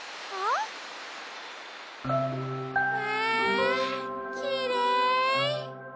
わきれい。